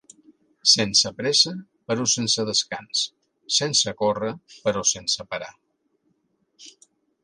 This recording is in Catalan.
Sense pressa, però sense descans, sense córrer, però sense parar.